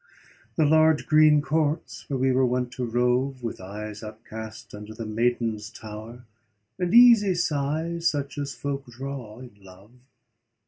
The large green courts, where we were wont to rove, With eyes upcast unto the maiden's tower, And easy sighs, such as folk draw in love.